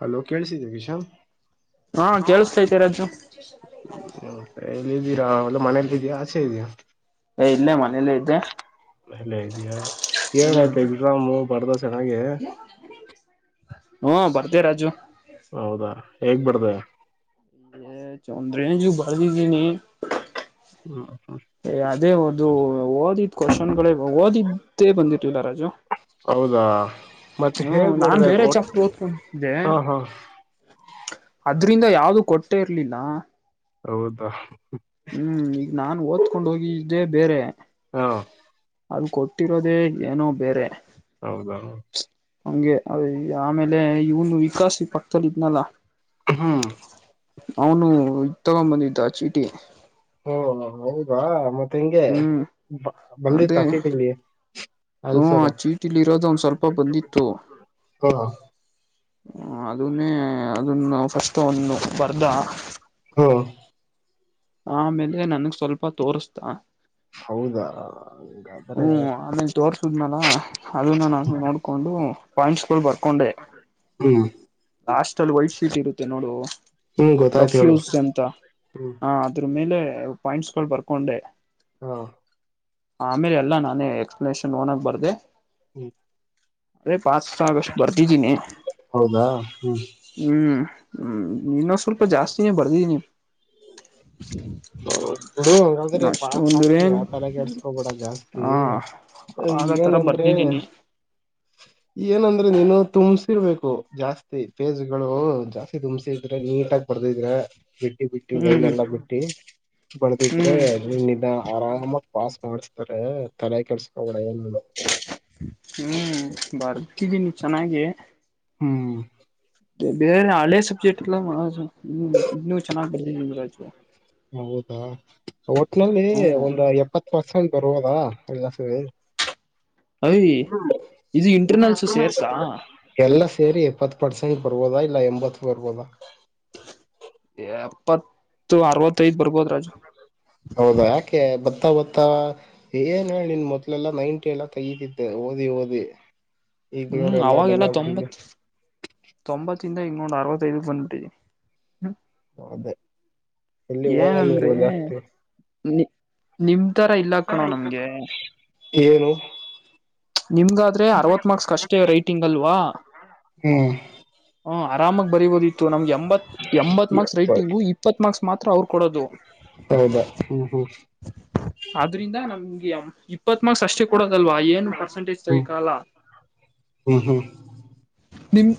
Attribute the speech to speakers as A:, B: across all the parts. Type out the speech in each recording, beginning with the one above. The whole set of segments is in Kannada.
A: ಹಲೋ ಕೇಳಿಸಿದ್ಯಾ ಕಿಶನ್
B: ಹಾ ಕೇಳಸ್ತೈತೆ ರಾಜು [unintelligible]
A: ಇದ್ದೀರಾ ಒ ಮನೇಲ್ಲಿ ಇದೆಯಾ ಆಚೆ ಇದೆಯಾ
B: ಇಲ್ಲೇ ಮನೇಲ್ಲೆ ಇ
A: ಎಲ್ಲ ಇದ್ಯಾ
B: ಹ್ಮ್
A: ಹೇಳ್ಬೇಕು ಎಕ್ಸಾಮು ಬರದ ಚೆನ್ನಾಗೆ
B: ಹ್ಮ ಬರದೆ ರಾಜು
A: ಹೆಗ್ ಬರದ್ದೇ
B: ಏ ಒಂದ್ ರೇಂಜಿಗೆ ಬರದ್ದಿದ್ದೀನಿ
A: ಹ್ಮ
B: ಅದೇ ಓದು ಓದ್ದಿದ್ ಕೋಷನಗಳು ಓದಿದ್ದೇ ಬಂದಿರಲ್ಲಿಲ್ಲ ರಾಜು.
A: ಹೌದಾ ಮತ್ತೆ
B: ಹ್ಮ
A: ಹೇಗ್
B: ನಾನ್
A: ಬರ್ದೆ
B: ಬೇರೆ
A: ಒಟ್
B: ಚಪ್ಟರ್ ಓದ್ಕೊಂತ್ತಿದ್ದೆ
A: ಹಾ ಹಾ
B: ಅದ್ರಿಂದ ಯಾವುದು ಕೊಟ್ಟೆ ಇರ್ಲಿಲ್ಲ
A: ಹೌದಾ
B: ಹ್ಮ್ ಈಗ ನಾನ್ ಓದ್ಕೊಂಡ್ ಹೋಗಿದ್ದೆ ಬೇರೆ
A: ಹಾ
B: ಅದು ಕೊಟ್ಟಿರೋದೇ ಏನೋ ಬೇರೇ
A: ಹೌದಾ
B: ಹಂಗೆ ಅ ಆಮೇಲೆ ಇವನ್ ವ ಕಾಶಿ ಪಕ್ಕದಲ್ಲಿ ಇದ್ನಲ್ಲ
A: ಹ್ಮ್
B: ಅವನು ಇದ್ ತಗೊಂಡ ಬಂದಿದ್ದ ದ ಚೀಟಿ
A: ಓ ಹೌದಾ ಮತ್ತೆ ಹೆಂಗೆ
B: ಹ್ಮ್ ಅದೇ
A: ಬಂದಿತ್ತ ಚೀಟಿಲ್ಲಿ
B: ಹ್ಮ ಆ ಚೀಟಿಲ್ಲಿ ಇರೋದು ಒಂದ್ ಸ್ವಲ್ಪ ಬಂದಿತ್ತು.
A: ಹ
B: ಅದನೇ ಅದನ್ನು ಫಸ್ಟ್ ಅವನ್ ಬರದ
A: ಹ
B: ಆಮೇಲೆ ನನ್ಗ್ ಸ್ವಲ್ಪ ತೋರ್ಸದ
A: ಹೌದಾ ಹಂಗಾದ್ರೆ
B: ಹ್ಮ್ ಆಮೇಲ್ ತೋರ್ಸುದ್ನಲ್ಲ ಅದನ್ನ ನಾನು ನೋಡ್ಕೊಂಡ್ ಡು ಪಾಯಿಂಟ್ಸ್ ಗಳು ಬರ್ಕೊಂಡೆ
A: ಹ್ಮ್
B: ಲಾಸ್ಟ್ ಅಲ್ಲಿ ವೈಟ್ ಶೀಟ್ ಇರುತ್ತೆ ನೋಡು
A: ಹ್ಮ್ ಗೊತ್ತಾಯ್ತು
B: ರಫ್
A: ಹೇಳು
B: ಯೂಸ್ ಅಂತ
A: ಹ್ಮ್
B: ಹ ಅದರ ಮೇಲೆ ಪಾಯಿಂಟ್ಸ್ ಗಳು ಬರ್ಕೊಂಡೆ.
A: ಹಾ
B: ಆಮೇಲೆ ಅಲ್ಲಾ ನಾನೇ ಎಕ್ಸ್ಪ್ಲನೇಷನ್ ಹೋನಕ್ ಬರ್ದೆ
A: ಹ್ಮ
B: ಅದೇ ಪಾತ್ ಆಗಷ್ಟು ಬರ್ದಿದ್ದೀನಿ
A: ಹೌದಾ ಹ್ಮ್
B: ಹ್ಮ್ ಹ್ಮ್ ಇನ್ನೊಂದ್ ಸ್ವಲ್ಪ ಜಾಸ್ತಿನೇ ಬರ್ದೀಿ ನೀ
A: ಬಿಡು ಹಂಗಾದ್ರೆ
B: ನಷ್ಟ
A: ಪಾಸ್
B: ಬಧರ
A: ಆಗ್ತೀಯ ತಲೆಗೆಡ್ಸ್ಕೋಬೇಡ ಜಾಸ್ತಿ
B: ಹಾ ಆ ತರ
A: ಏನಂದ್ರೆ
B: ಬರ್ದಿದ್ದೀನಿ
A: ಏನಂದ್ರೆ ನೀನು ತುಂಬಸಿರ್ಬೇಕು ಜಾಸ್ತಿ ಫೇಜ್ ಗಳು ಜಾಸ್ತಿ ತುಂಬಸಿದ್ರೆ ನೀಟಾಗಿ ಬ ಮಾಡದ ಇದ್ರ ಬಿಡ್ಡಿ ಬಿಟ್ಟಿ ಲೈನ್
B: ಹ್ಮ್
A: ಎಲ್ಲಾ ಬಿಟ್ಟಿ ಬಳದಿದ್ರೆ
B: ಹ್ಮ್
A: ನಿ ಆರಾಮ ಮಾಡಿಸ್ತಾರೆ ತಲೆ ಕೆಸ್ಕೋಬುದು
B: ಹ್ಮ ಬರ್ತಿದ್ದೀನಿ ಚೆನ್ನಾಗಿ
A: ಹ್ಮ್
B: ಬೇ ಆ ಸಬ್ಜೆಕ್ಟ್ ಚ
A: ಹೌದಾ ಹೋಟ್ಲಲ್ಲಿ
B: ಹ್ಮ್
A: ಒಂದು ಎಪ್ಪತ್ತು ಹೊಸಂಡ್ ಬರುವುದಾ ಎಲ್ಲ ಸೇ
B: ಅಯ್ ಇದು ಇಂಟರ್ನಲ್ಸು ಸೇರ್ಸಾ
A: ಎಲ್ಲ ಸೇರಿ ಎಪ್ಪತ್ ಪಡ್ಸ ಂಟ್ ಬರ್ಬೋದಾ ಇಲ್ಲ ಎಂಬತ್ತು ಬರ್ಬೋದಾ
B: ಎಪ್ಪತ್ತು ಅರವತ್ತೈದು
A: ಹೌದಾ ಯಾಕೆ ತ್ತ ಹೊತ್ತಾ ಏನ್ ಹೇಳಿ ನಿನ್ ಮೊದಲೆಲ್ಲಾ ನೈಂಟಿ ಎಲ್ಲ ತಗತಿದ್ದೆ ಓದಿ ಓದಿ ಈಗ ನೋಡು
B: ಹ್ಮ್
A: ಎಲ್ಲಾ ಡಲ್
B: ಅವಾಗೆಲ್ಲ
A: ಆಗ್ಬಿಟ್ಟಿದೆ
B: ತೊಂಬತ್ ತೊಂಬತ್ ಿಂದ ಇನ್ನೊಂದು ಅರವತ್ತೈಐದು ಬ್ಿಟಿ [unintelligible] ಹ್ಮ
A: ಅದೇ ಎಲ್ಲಿ
B: ಏನಂದ್ರೆ
A: ಓದಲ್ವ ಜಾಸ್ತಿ
B: ನಿ ನಿಮ ತರ ಇಲ್ಲ ಕಣೋ ನಮ್ಗೆ
A: ಏನು
B: ನಿಮ್ಗಾದ್ರೆ ಅರವತ್ ಮಾರ್ಕ್ಸ್ ಅಷ್ಟೇ ರೈಟಿಂಗ್ ಅಲ್ವಾ
A: ಹ್ಮ್
B: ಹ ಆರಾಮಾಗಿ ಬರಿೀಬೋದಿತ್ತು ನಮ್ಗೆ ಎಂಬತ್ ಎಂಬತ್ ಮಾರ್ಕ್ಸ್ ರೈಟಿಂಗು ಇಪ್ಪತ್ ಮಾರ್ಕ್ಸ್ ಮಾತ್ರ ಅವ್ರು ಕೊಡೋದು
A: ಹೌದಾ ಹ್ಮ್ ಹ್ಮ್
B: ಆದ್ರಿಂದ ನಮ್ಗೆ ಇಪ್ಪತ್ ಮಕ್ಸ್ ಅಷ್ಟೇ ಕೊಡೋದಲ್ವಾ ಏನು ಪರ್ಸೆಂಟೇಜ್
A: ಹ್ಮ್
B: ತಗಲ್ಲ
A: ಹ್ಮ್ ಹ್ಮ್
B: ನಿಮ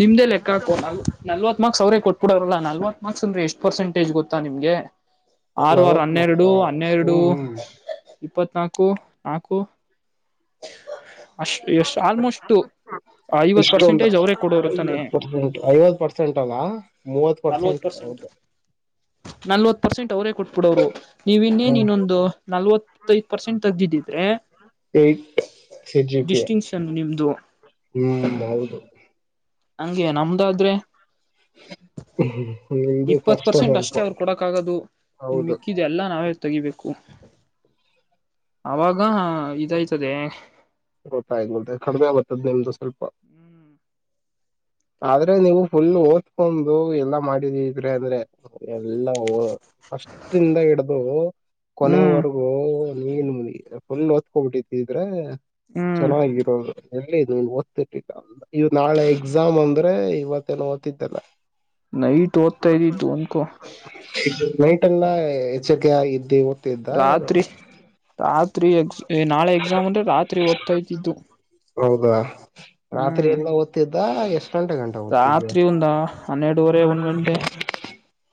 B: ನಿಮ್ದ ಲೆಕ್ಕಾಕೋ ನಲ್ವತ್ ಮಾರ್ಕ್ಸ್ ಅವ್ರೇ ಕೊಟ್ಬಿಡೋಾರಲ್ಲಾ ನಲ್ವತ್ ಮಾರ್ಕ್ಸ್ ಅಂದ್ರೆ ಎಷ್ಟ ಪರ್ಸೆಟೇಜ್ ಗೊತ್ತ ನಿಮ್ಗೆ ಆರು ವಾರ
A: ನಲ್ವತ್ ಲಕ್ಷ
B: ಹನ್ನೆರಡು ಹನ್ನೆರಡು
A: ಹ್ಮ್ ಹ್ಮ್
B: ಇಪ್ಪತ್ನಾಾಲ್ಕು ನಾಕು ಅಷ್ಟ ಎಷ್ಟ್ ಆಲ್ಮೋಸ್ಟ್ ಐವತ್
A: ಎಷ್ಟೊ
B: ಪರ್ಸೆಂಟೇಜ್ ಅವರೇ
A: ಐವ
B: ಕೊಡೋರು ತಾನೆ
A: ಪರ್ೆಂಟ್ ಐವತ್ತು ಪರ್ಸೆಂಟ್ ಅಲ್ಲ ಮೂವತ್
B: ನಲ್ವತ್
A: ಪರ್ಸೆಂಟ್ ಹೌದು
B: [inaudible] ನಲ್ವತ್ ಪರ್ಸೆಂಟ್ ಅವರೇ ಕೊಟ್ಬಿಡ ಅವ್ರು ನೀವ ಇನ್ನೇನ್
A: ಹ್ಮ್
B: ಇನ್ನೊಂದು ನಲ್ವತ್ತಐ್ ಪರ್ಸೆಂಟ್ ತೆಗ್ದಿದಿ ಇದ್ರಿ
A: ಈ
B: ಡಿಸ್ಟಿಂಕ್ಷನ್ ನಿಮ್ದು
A: ಹ್ಮ್ ಹೌದು
B: ಹಂಗಗೆ ನಮ್ದಾದ್ರೆ
A: ಹ
B: ಇಪ್ಪತ್ ಪರ್ಸೆಂಟ್ ಅಷ್ಟೇ ಅವ್ರು ಕೊಡಕ್ ಆಗೋದು ನಿನ್
A: ಹೌದು
B: ಮಿಕ್ಕಿದ ಎಲ್ಲ ನಾವೇ ತೆಗಿಬೇಕು ಅವಾಗ ಇದಾಯ್ತದೆ
A: ಗೊತ್ತ ಆ್ದ ಕಡಿಮೆ ಬರ್ತದ ನಿಮ್ದು ಸ್ವಲ್ಪ
B: ಹ್ಮ್
A: ಆದ್ರೆ ನೀವು ಫುಲ್ ಓದ್ಕೊಂಡು ಎಲ್ಲಾ ಮಾಡಿದಿದ್ರೆ ಅಂದ್ರೆ ಎಲ್ಲ ಫಸ್ಟ್ ಇಂದ ಹಿಡ್ದು
B: ಹ್ಮ್
A: ಕೊನೆಯವರೆಗೂ ನೀನ್ ಮುನಿ ಫುಲ್ ಒತ್ಕೋಬಿಟ್ಟಿದ್ರ
B: ಹ್ಮ್
A: ಚೆನ್ನಾಗಿರೋದು ಎ ಇದು ಓದ್ತಿರ್ಲಿಲ್ಲ ನಾಳೆ ಎಕ್ಸಾಮ್ ಅಂದ್ರೆ ಇವತ್ತೇನು ಓದ್ತಿದ್ದಲ್ಲ.
B: ನೈಟ್ ಓದ್ತಾ ಇದ್ದಿದ್ದು ಅನ್ಕೋ
A: ಹ ಎಲ್ಲ ಎಚ್ಚರ್ಕೆ ಇದ್ದು
B: ರಾತ್ರಿ ರಾತ್ ತ್ರಿ ಎ ನಾಳೆ ಎಕ್ಸಾಮ್ ಅಂದ್ರೆ ರಾತ್ರಿ ಓದ್ತಾ ಇದ್ದಿದ್ದು.
A: ಹೌದಾ ರಾತ್ರಿ
B: ಹ್ಮ್
A: ಎಲ್ಲ ಓದ್ತಿದ್ದ? ಎಷ್ಟ್ ಗಂಟೆ ಗಂಟ ಓದ್ತಿದ್ದೆ
B: ರಾತ್ರಿ ಒಂದ ಹನ್ನೆರಡುವರೆ ಒಂದ್ ಗಂಟೆ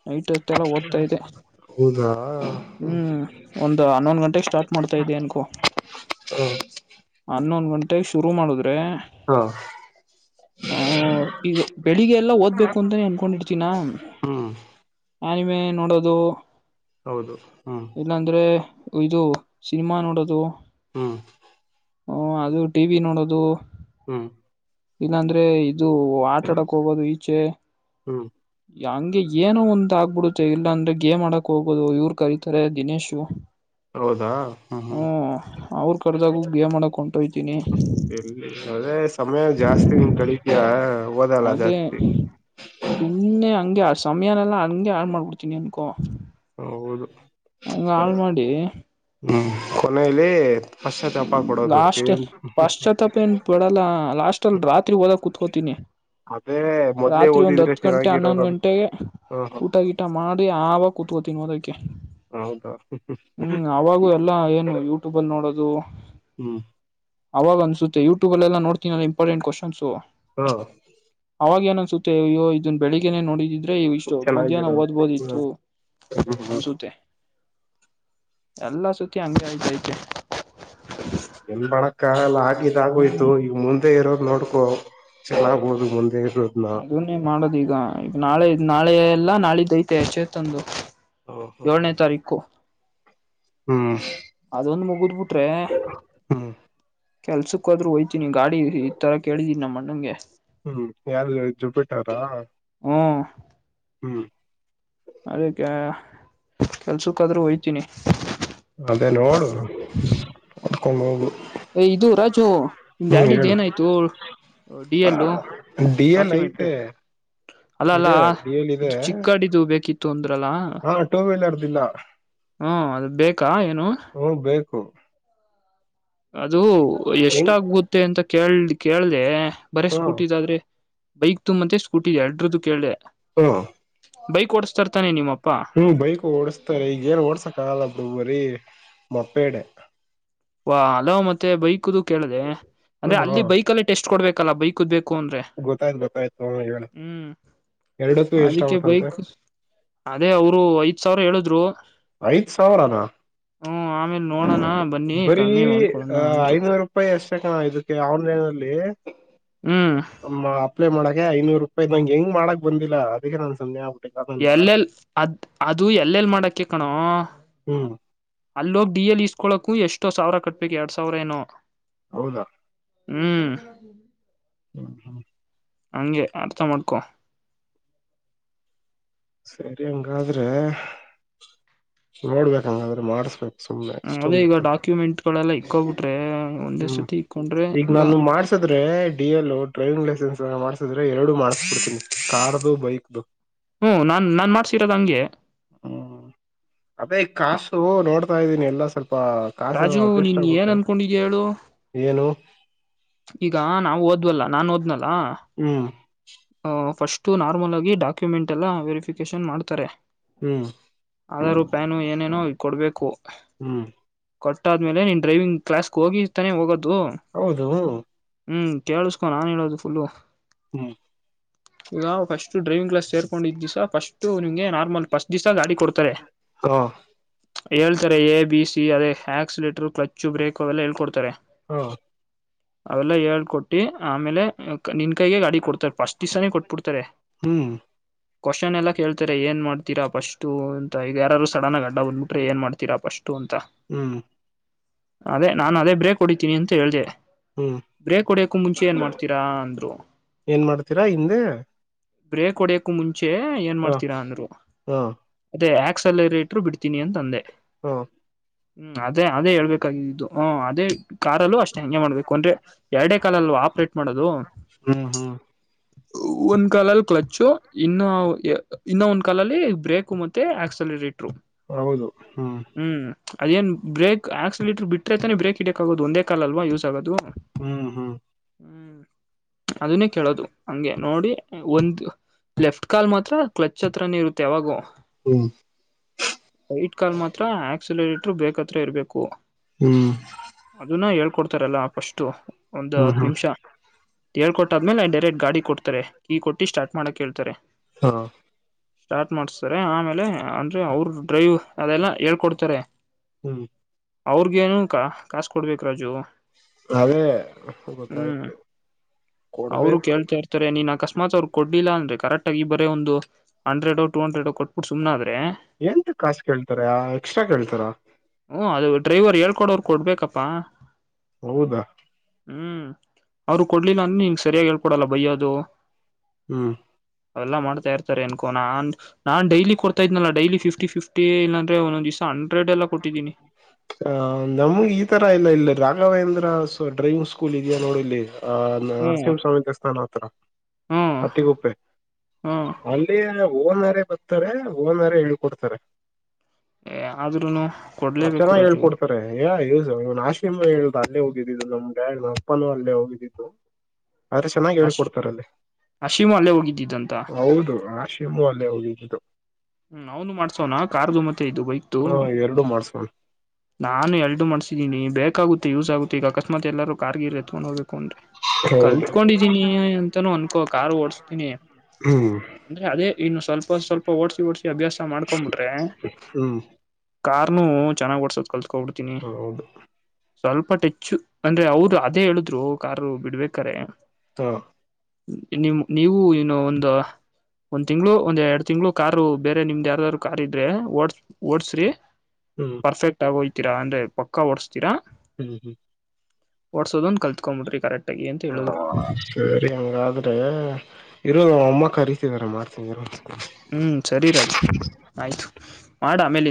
B: ನೈಟು. ಮತ್ತೆಲ್ಲ ಓದ್ತಾ ಇದೆ
A: ಹೌದಾ
B: ಹ್ಮ್ ಒಂದ್ ಹನ್ನೊಂದು ಗಂಟೆಗೆ ಸ್ಟಾರ್ಟ್ ಮಾಡ್ತಾ ಇದ್ದೆ ಅನ್ಕೂ
A: ಹ
B: ಹನ್ನೊಂದ್ ಘಂಟೆಗ್ ಶು ಅ
A: ಹಾ
B: ಹ ಈಗ ಬೆಳಿಗ್ಗೆ ಎಲ್ಲಾ ಓದ್ಬೇಕು ಅಂತಾನೇ ಅನ್ಕೊಂಡಿರ್ತೀನ
A: ಹ್ಮ್
B: [unintelligible] ನೋಡೋದು.
A: ಹೌದು ಹ್ಮ್
B: ಇಲ್ಲಾಂದ್ರೆ ಇದು ಸಿನಿಮಾ ನೋಡೋದು.
A: ಹ್ಮ್
B: ಹ ಅದು ಟಿ ವಿ ನೋಡೋದು.
A: ಹ್ಮ್
B: ಇಲ್ಲಾಂದ್ರೆ ಇದು ಆಟಾಡಕ್ ಹೋಗೋದು ಈಚೆ.
A: ಹ್ಮ್
B: ಹಂಗೆ ಏನೊ ಒಂದ ಆಗ್ಬಿಡುತ್ತೆ ಇಲ್ಲಾ ಅಂದ್ರೆ ಗೇಮಾಡಕ್ ಹೋಗೋದು ಇವ್ರು ಕರೀತಾರೆ ದಿನೇಶು.
A: ಹೌದಾ ಹ್ಮ್
B: ಹ್ಮ
A: ಹ್ಮ್
B: ಅವ್ರ ಕರ್ದಾಗೂ ಗೇಮ್ ಆಡಕ್ ಹೊಂಟೋಯ್ತೀನಿ.
A: ಎಲ್ಲಿ ಅದೇ ಸಮಯ ಜಾಸ್ತಿ ನಿನ್ ಕಳಿತೀಯ ಓದಲ್ಲ ಜಾಸ್ತಿ.
B: ಸುಮ್ಮನೆ ಹಂಗೆ ಸಮಯಾನೆಲ್ಲಾ ಹಂಗ ಹಾಳ್ ಮಾಡ್ಬುಡ್ತೀನಿ ಅನ್ಕೋ.
A: ಹೌದು
B: ಹಂಗ ಹಾಳ್ ಮಾಡಿ
A: ಹ್ಮ್ ಕೊನೇಲಿ
B: ಲಾಸ್ಟ್ ಪಾಶ್ಚಾತ್ತಪ ಏನ್ ಪಡಲ್ಲ ಲಾಸ್ಟ್ ಲ್ ರಾತ್ರಿ ಓದಕ್ ಕುೂತ್ಕೋತೀನಿ.
A: ಅದೇ ಮೊದ್ಲೇ
B: ರಾತ್ರಿ ಒಂದ್
A: ಓದಿದ್ರೆ
B: ಹತ್ತು ಗಂಟೆ ಹನ್ನೊಂದು
A: ಚೆನ್ನಾಗಿರೋದಂತ
B: ಗಂಟೆಗೆ
A: ಹ
B: ಊಟ ಗೀಟ ಮಾಡಿ ಆವಾಗ ಕೂತ್ಕೋತೀನಿ ಓದಕ್ಕೆ
A: ಹೌದಾ
B: ಹ್ಮ್ ಅವಾಗೂ ಎಲ್ಲ ಏನು ಯೂಟ್ಯೂಬಲ್ಲಿ ನೋಡೋದು
A: ಹ್ಮ್
B: ಅವಾಗ ಅನ್ಸುತ್ತೆ ಯೂಟ್ಯೂಬಲೆಲ್ಲ ನೋಡ್ತ ಇಂಪಾರ್ಟೆಂಟ್ ಕ್ವಶನ್ಸ್
A: ಹಾ
B: ಅವಾಗ ಏನ್ ಅನ್ಸುತ್ತೆ ಅಯ್ಯೋ ಇದನ್ ಬೆಳಿಗ್ಗೆನೆ ನೋಡಿದ್ದಿದ್ದು. ಇ ಇಷ್ಟು ಮಧ್ಯಾಹ್ನ
A: ಚೆನ್ನಾಗಿರೋದು ಹ್ಮ್
B: ಓದ್ಬೋದಿತ್ತು
A: ಹ್ಮ್ ಹ್ಮ್
B: ಅನ್ಸುತ್ತೆ. ಎಲ್ಲಾ ಸತಿ ಹಂಗೆ ಆಯ್ತತೆ.
A: ಏನ್ ಮಾಡಕ್ಕಾಗಲ್ಲ ಆಗಿದ್ ಆಗೋಯ್ತು
B: ಹ್ಮ್
A: ಈಗ ಮುಂದೆ ಇರೋದ್ ನೋಡ್ಕೋ.
B: ಅದನ್ನೇ ಮಾಡೋದೀಗ ಈಗ ನಾಳೆ ನಾಳೆ ಎಲ್ಲ ನಾಳೆ ದೖತೆ ಚೇ ತಂದು ಏಳನೇ ತಾರೀಖು.
A: ಹ್ಮ್
B: ಅದೊಂದು ಮುಗುದ್ ಬಿಟ್ರೆ
A: ಹ್ಮ್
B: ಕೆಲ್ಸಕ್ಕಾದ್ರು ಹೋಯ್ತು ತ್ತೀನಿ ಗಾಡಿ ಈ ತರ ಕೇಳಿದಿನಿ ನಮ್ಮ್ಣಂಗೆ.
A: ಹ್ಮ್ ಯಾವ್ಗಾಡಿ ಜುಬಿಟ್ಟರ ಹ್ಮ್.
B: ಅದ್ಕೆ ಕೆಲ್ಸಕ್ಕಾದ್ರೂ ಹೊಯ್ತೀನಿ.
A: ಅದೇ ನೋಡು ಕುಕೊಂಡ್ ಹೋಗು.
B: ಏ ಇದು ರಾಜು ನಿಮ್
A: ಹ್ಮ್
B: ಡ್ಯಾಡೀದ್
A: ಹೇಳು
B: ಏನಾಯ್ತು? D L
A: D L
B: document.
A: ಐತೆ
B: ಅಲ್ಲ ಅಲ್ಲ
A: ಇದೆ ಡಿ ಎಲ್ ಇದೆ
B: ಇದು ಚಿಕ್ಕಾಡಿದು ಬೇಕಿತ್ತು ಅಂದ್ರಲ್ಲ.
A: ಹಾ ಟೂ ವೀಲರ್ದಿಲ್ಲ
B: ಹ್ಮ ಅದು ಬೇಕಾ ಏನು
A: ಹೂ ಬೇಕು.
B: ಅದು
A: ಹೆಂಗ್
B: ಎಷ್ಟಾಗುತ್ತೆ ಅಂತ ಕೇಳ ಕೇಳ್ದ ಬರ
A: ಹ್ಮ
B: ಸ್ಕೂಟಿದಾದ್ರೆ. ಬೈಕ್ದು ಇದೆ ಮತ್ತೆ ಸ್ಕೂಟೀದು ಎರಡ್ರದ್ದು ಕೇಳ್ದೆ
A: ಹ್ಮ
B: ಬೈಕ್ ಓಡಸ್ತರ್ತಾನೆ ನಿಮ್ಮಪ್ಪ?
A: ಹ್ಮ್ ಬೈಕ್ ಓಡಸ್ತಾರೆ ಈಗ ಏನ್ ಓಡ್ಸಕ್ಕಾಗಲ್ಲ ಬರೀ ಮೊಪ್ಪೆಡ್ಡೆ.
B: ವಾ ಅಲೋ ಮತ್ತೆ ಬೈಕ್ದು ಕೇಳದೆ ಅಂದ್ರೆ
A: ಹ್ಮ್ ಹ್ಮ
B: ಅಲ್ಲಿ ಬೈಕಲ್ಲೇ ಟೆಸ್ಟ್ ಕೊಡ್ಬೇಕಲ್ಲ ಬೈಕದ್ ಬೇಕ. ಕುಕೊಂಡ್ರೆ
A: ಗೊತ್ತಾಯ್ತು ಗೊತ್ತಾಯ್ತು ಹ ಹೇಳು
B: ಹ್ಮ್
A: ಎರಡಕ್ಕೂ
B: ಅದಕ್ಕೆ
A: ಎಷ್ಟಾಗುತ್ತಂತೆ
B: ಬೈಕ್ ಅದೇ ಅವರು ಐದ ಸಾವಿರ ಹೇಳುದ್ರು
A: ಐದ ಸಾವಿರಾನ
B: ಆಮೇಲ್ ನೋಡೋಣ ಬನ್ನಿ
A: ಇ
B: ಕಮ್ಮಿ ಮಾಡ್ಕೊಳೋಣ ಅಂದ್ರು
A: ಐನೂರು ರೂಪಾಯಿ ಅಷ್ಟ ಕ್ಕೆ ಆಲೈಲ್ಲಿ
B: ಹ್ಮ್
A: ಅಪ್ಲೈ ಮಾಡ ಐನುರೂ ರೂಪಾಯಿ ನಂಗ ಹೆಂಗ ಮಾಡಕ್ ಬಂದಿಲ್ಲದ ಅದಿಕ್ಕೇ ನನ್ ಸುಮ್ನೇ ಅಗ್ಬಿಟ್ಟೆ
B: ಎಲ್ಲೆಲ್ ಅದ್ ಅದು ಎಲ್ಲೆಲ್ ಮಾಡಕ ಕಣೋ
A: ಹ್ಮ್
B: ಅಲ್ಲಿೋಗ ಡಿ ಎಲ್ ಇಸ್ಕೊಕು ಎಷ್ಟೋ ಸಾವಿರ ಕಟ್ಬೇಕು ಎರಡ್ ಸಾವಿರ ಏನೋ
A: ಹೌದಾ
B: ಹ್ಮ್
A: ಹ್ಮ್ ಹ್ಮ್
B: ಅಂಗೆ ಅರ್ಥ ಮಾಡ್ಕೊ
A: ಸರಿ ಹಂಗಾದ್ರೆ ನೋಡ್ಬೇಕ ಹಂಗಾದ್ರೆ ಮಾಡಸ್ಬೇಕು ಸುಮ್ನೆ
B: ಅದೇ
A: ಅಷ್ಟೊಂದು
B: ಈಗ ಡಾಕ್ಯುಮೆಂಟ್ ಗಳೆಲ್ಲಾ ಇಕ್ಕೋಗ್ಬಿಟ್ರೆ
A: ಹ್ಮ್ ಈಗ ನಾನು ಮಾಡ್ಸದ್ರೆ ಡಿ ಎಲ್ ಡ್ರೈವಿಂಗ್ ಲಸೆನ್ಸ್ ಮಾಡಸಿದ್ರೆ ಎರಡು ಮಾಡಸಬಿಡ್ತೀನಿ ಕಾರ್ದು ಬೈಕ್ದು
B: ಹ್ಮ್ ನಾನ್ ನಾನ್ ಮಾಡ್ಸರೋದ ಹಂಗೆ
A: ಹ್ಮ್ ಅದೇ ಕಾಸು ನೋಡ್ತಾ ಇದ್ದೀನಿ ಎಲ್ಲ ಸ್ವಲ್ಪ ಸ್ಪ ಕಾಸ
B: ರಾಜು
A: ಅಡ್ಜಸ್ಟ್
B: ನೀನ್ ಏನ್
A: ಆಗ್ಬಿಟ್ರೆ
B: ಅನ್ಕೊಂಡಿದ್ಯ ಹೇಳು
A: ಏನು
B: ಈಗ ನಾವು ಓದ್ವಲ್ಲ ನಾನ್ ಓದ್ನಲ್ಲ
A: ಹ್ಮ್
B: ಹ ಫಸ್ಟ್ ತೂ ನಾರ್ಮಲ್ ಆಗಿ ಡಾಕ್ಯುಮೆಂಟ್ ಎಲ್ಲ ವೆರಿಫಿಕೇಶನ್ ಮಾಡ್ತಾರೆ
A: ಹ್ಮ್
B: ಆಧಾರ ಪನ್ ಏನೇನೋ ಈ ಕೊಡ್ಬೇಕು
A: ಹ್ಮ್
B: ಕೊಟ್ಟಾದ್ಮೇಲೆ ನೀನ್ ಡ್ರೈವಿಂಗ್ ಕ್ಲಾಸ್ ಹೋಗಿಾನೆ ಹೋಗೋದು
A: ಹೌದು
B: ಹ್ಮ್ ಕೇಳಿಸ್ಕೊ ನಾನ್ ಹೇಳದು ಫುಲ್ಲು
A: ಹ್ಮ್
B: ಈಗ ಫಸ್ಟ್ ಡ್ರೈವಿಂಗ್ ಕ್ಲಾಸ್ ಸೇರ್ಕೊಂಡಿದ್ದ್ಿವಸ ಫಸ್ಟ್ ನಿಮ್ಗೆ ನಾರ್ಮಲ್ ಫಸ್ಟ್ ದಿಸಾ ಗಾಡಿ ಕೊಡ್ತಾರೆ
A: ಹಾ
B: ಹೇಳ್ತಾರೆ ಎ ಬಿ ಸಿ ಅದೇ ಆಕ್ಸಲೇಟರ್ ಕ್ಲಚ್ ಬ್ರೇಕಕ್ ಅವೆಲ್ಲ ಹೇಳ್ಕೊಡ್ತಾರೆ
A: ಹಾ
B: ಅವೆಲ್ಲ ಹೇಳ್ ಕೊೊಟ್ಟಿ ಆಮೇಲೆ ನಿನ್ ಕೈಗೆ ಗಾಡಿ ಕೊಡ್ತಾರೆ ಪಸ್ಟ್ ದಿವ್ಸಾನೇ ಕೊಟ್ಬಿಡ್ತಾರೆ
A: ಹ್ಮ್
B: ಕ್ವಶ್ನ್ ಎಲ್ಲ ಕೇಳ್ತಾರೆ ಏನ್ ಮಾಡ್ತೀರ ಫಸ್ಟ್ ಅಂತ ಈಗ ಯಾರೂ ಸಡನ್ ಆ ಅಡ್ಡ ಹೊಂದ್ಬಿಟ್ರ ಏ ಮಾಡತೀರಾ ಫಸ್ಟ್ ಅಂತ
A: ಹ್ಮ್
B: ಅದೇ ನಾನು ಅದೇ ಬ್ರೇಕ್ ಹೊಡಿತೀನಿ ಅಂತ ಹೇಳ್ದೆ
A: ಹ್ಮ್
B: ಬ್ರೇಕ್ ಹೊಡಿಯಕ ಮುಂಚೆ ಏನ್ ಮಾಡ್ತೀರಾ ಅಂದ್ರು
A: ಏನ್ ಮಾಡ್ತೀರಾ ಹಿಂದೆ
B: ಬ್ರೇಕ್ ಹೊಡಿಯಕ ಮುಂಚೆ ಏನ್
A: ಹ
B: ಮಾಡ್ತೀರಾ ಅಂದ್ರು
A: ಹಾ
B: ಅದೇ ಯ ಎಕ್ಸೆಲ್ ರೇಟ್ರು ಬಿಡ್ತೀನಿ ಅಂದೆ
A: ಹಾ
B: ಹ್ಮ್ ಅದೇ ಅದೇ ಹೇಳ್ಬೇಕಾಗಿದ್ದಿದ್ದು ಹ ಅದೇ ಕಾರಲ್ಲೂ ಅಷ್ಟೇ ಹೆಂಗೆ ಮಾಡ್ಬೇಕು ಎರಡೇ ಕಾಲ್ ಅಲ್ವಾ ಆಪರೇಟ್ ಮಾಡೋದು
A: ಹ್ಮ್ ಹ್ಮ್
B: ಒಂದ್ ಕಾಲಲ್ಲಿ ಕ್ಲಚ್ ಇನ್ನ ಇನ್ನ ಒಂದ್ ಕಾಲಲ್ಲಿ ಬ್ರೇಕ್ ಮತ್ತೆ ಆಕ್ಸಲಟ್
A: ಹೌದು ಹ್ಮ್
B: ಅದೇಏನ್ ಬ್ರೇಕ್ ಆಕ್ಸಿಲಿಟಟ್ರ್ ಬಿಟ್ರೆತಾನೇ ಬ್ರೇಕ್ ಇಡಕ್ಾಗೋದು ಒಂದೇ ಕಾಲಲ್ವಾ ಯೂಸ್ ಆಗೋದು
A: ಹ್ಮ್ ಹ್ಮ್
B: ಹ್ಮ್ ಅದನ್ನೇ ಕೇಳೋದು ಹಂಗೆ ನೋಡಿ ಒಂದು ಲೆಫ್ಟ್ ಕಾಲ್ ಮಾತ್ರ ಕ್ಲಚ್ ಹತ್ರನ ಇರುತ್ತೆ ಯಾವಾಗೂ
A: ಹ್ಮ್
B: ಕಾಲ್ ಮಾತ್ರ ಆಕ್ಸಲೇಟ ಬೇಕತ್ರ ಇರಬೇಕು
A: ಹ್ಮ್
B: ಅದನ್ನ ಹೇೊಡ್ ತರಲ್ಲಫಷ್ಟು ಒಂದು
A: ಹ್ಮ್
B: ಹತ್ತು
A: ಹ್ಮ್
B: ನಿಮಿಷ ಹೇಳ್ಕೊಟ್ಟ್ಮೇಲೆ ನ ಡೈರೆಕ್ಟ್ ಗಾಡಿ ಕೊಡ್ತಾರೆ ಈ ಕೊಟ್ಟು ಸ್ಟಾರ್ಟ್ ಮಾಡೋಕ್ಕೆ ಹೇಳ್ತಾರೆ
A: ಹಾ
B: ಸ್ಟಾರ್ಟ್ ಮಾಡ್ಸ್ತಾರೆ ಆಮೇಲೆ ಅಂದ್ರೆ ಅವ್ರ ಡ್ರೈವ್ ಅದೆಲ್ಲ ಹೇಳ್ಕೊಡ್ತಾರೆ
A: ಹ್ಮ್
B: ಅವ್ರಗೇನಕ ಕಾಸ ಕೊಡ್ಬೇಕ ರಾಜು
A: ಅದೇ ಗೊತ್ತಾಯ್ತು
B: ಅವ್ರು
A: ಕೊಡ್ಬೇಕು
B: ಕೇಳ್ತಾ ಇರ್ತಾರೆ ನೀನ್ ಅಕಸ್ಮಾತ್ ಅವ್ರರು ಕೊಡಲಿಲ್ಲಾ ಅನ್ರಿ ಕರೆಕ್ಟ್ ಆಗಿ ಬರೇ ಒಂದು ಹಂಡ್ರೆಡ್ ಟೂ ಹಂಡ್ರೆಡ್ ಕೊಟ್ಬಿು ಸುಮ್ಮದರೆ ಅದೆ
A: ಏನ್ರಿ ಕಾಸ್ ಕೇಳ್ತಾರ ಎಕ್ಸ್ಟ್ರಾ ಕೇಳ್ತಾರ
B: [inaudible] ಹ ಅದು ಡ್ರೈವರ್ ಹಳ್ಕಡವರ್ ಕೊಡ್ಬೇಕಪ್ಪಾ
A: ಹೌದಾ
B: ಹ್ಮ್ ಅವ್ರು ಕೊಡ್ಲಿಲ್ಲ ಅನ್ ನೀನ್ ಹಿಂಗ ಸರಿಯಾಗಿ ಹೇಳ್ಪೊಡಲ್ಲ ಬಯ್ಯ ಅದು
A: ಹ್ಮ
B: ಅವೆಲ್ಲ ಮಾಡತ ಇರ್ತಾರೆ ಅನ್ಕೋ ನಾನ್ ನಾನ್ ಡೈಲಿ ಕೊಡ್ತಾ ಇದ್ನಲ್ಲ ಡೈಲಿ ಫಿಫ್ಟಿ ಫಿಫ್ಟಿ ಇ ಅಂದ್ರೆ ಒಂದೊಂದ ದ್ಸ ಹಂಡ್ರೆಡ್ ಎಲ್ಲ ಕೊಟ್ಟ [inaudible]
A: ಹ ನಮ್ಗೆ ಈ ತರ ಇಲ್ಲ ಇಲ್ಲ ರಾ ವೇಂದ್ರ ಡ್ರೈವಿಂಗ್ ಸ್ಕೂಲ್ ಇದೆಯಾ ನೋಡಿಲ್ಲಿ ಆ
B: ಹ್ಮ್
A: ನರಸಿಂಹಸ್ವಾಮಿ ದ ಸ್ಥಾನ ಹತ್ರತ್ರ
B: ಹ್ಮ್
A: ಅತಿಗುಪ್ಪೆ
B: ಹ್ಮ್
A: ಅಲ್ಲಿ ಓನಾರೇ ಬರ್ತಾರೆ ಓನಾರ ಹೇಳ್ಕೊಡ್ತಾರೆ
B: ಆದ್ರೂನು
A: ಮ
B: ಕೊಡ್ಲೇಬೇಕು
A: ಚೆನ್ನಾಗಿ
B: ರಾಜು
A: ಹೇಳ್ಕೊಡ್ತಾರೆ ಯ ನಾದ ದ ಹ ಅಲ್ಲೇ ಹೋಗಿದ್ದಿದಿದ್ದು ನಮ್ ಡ್ಯಾಡ್ ಅಪ್ಪಾನೂ ಅಲ್ಲೇ ಹೋಗಿದ್ದಿದಿದ್ದು ಆದ್ರೆ ಚೆನ್ನಾಗಿ
B: ಅಶ್
A: ಹೇಕೊಡ್ತಾರಲ್ಲಿ
B: ಅಶೀಮು ಅಲ್ಲೇ ಹೋಗಿದ್ದಿದ್ದಂತ
A: ಹೌದು ಆ ಶ್ರೇಮು ಅಲ್ಲೇ ಹೋಗಿದ್ದು
B: ಹ್ಮ ನಾನು ಮಾಡ್ಸೋಣ ಕರ್ದು ಮತ್ತೆ ಇದು ಬೈಕ್ದು
A: ಹ ಎರಡು ಮಾಡ್ಸ್ಕೊಂಡು
B: ನಾನು ಎರಡು ಮಾಡ್ಸಿದೀನಿ ಬೇಕಾಗುತ್ತೆ ಯೂಸ್ ಆುತ್ತ ಈಗಕಸ್ಮತ್ ಎಲ್ಲರೂ ಕಾರ್ಗಿರಿ ಎತ್ಕೊಂಡ ಹೋಗ್ಬೇಕು ಕಕೊಂಡ್ರಿ
A: ಹೌದು
B: ಕಲ್ತ್ಕೊಂಡಿದೀನಿ ಎಂತಾನೂ ಅನ್ಕೋ ಕಾರ್ು ಓಡ್ಸ್ತೀನಿ
A: ಹ್ಮ್
B: ಅಂದ್ರೆ ಅದೇ ಇನ್ನು ಸ್ವಲ್ಪ ಸ್ವಲ್ಪ ಓಡ್ಸಿ ಓಡ್ಸಿ ಅಭ್ಯಾಸ ಮಾಡ್ಕೊಬಿಟ್ರೆ
A: ಹ್ಮ್
B: ಕಾರ್ನು ಚೆನ್ನಾಗ್ ಓಡ್ಸೋದ್ ಕಲ್ತ್ಕೋಬಿಡ್ತೀನಿ
A: ಹೌದು
B: ಸ್ವಲ್ಪ ಟೆಚ್ಚು ಅಂದ್ರೆ ಅವರು ಅದೇ ಹೇಳಿದ್ರು ಕಾರು ಬಿಡ್ಬೇಕಾರೆೆ
A: ತ [inaudible]
B: ನಿಮ ನೀವು ಏನೋ ಒಂದು ಒಂದ್ ತಿಂಗ್ಳ ಒಂದ್ ಎರಡ್ ತಿಂಗ್ಳ ಕಾರಾರ ಬೇರೆ ನಿಮ್ದ್ ಯಾರ್ದಾದಾರ ಕಾರ್ ಇದ್ರೆ ಓಡ್ಸ್ ಓಡ್ಸ್ರಿ
A: ಹ್ಮ್
B: ಹೋಗ್ತೀರಾ ಅಂದ್ರೆ ಪಕ್ಕ ಓಡಸ್ತೀರಾ
A: ಹ್ಮ್ ಹ್ಮ್ [unintelligible]
B: ಒಟ್ಸೋದೊಂದು ಕಲ್ತ್ಕೊಂಬಿಡ್ರಿ ಕರೆಕ್ಟ್ ಆಗಿ ಅಂತ ಹೇಳಿದ್ರು
A: ಹ ಸರಿ ಹಂಗಾದ್ರೆ ಇರುಮ್ಮಕ್ಕ [inaudible] ಕರಿತಿದಾರ ಮಾಡ್ತನಿ
B: ಹ್ಮ್ ಸರಿ ರಾಜು ಆಯ್ತು ಮಾಡ ಆಮೇಲೆ